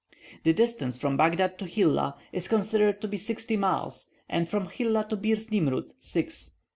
The distance from Baghdad to Hilla is considered to be sixty miles, and from Hilla to Birs Nimroud six.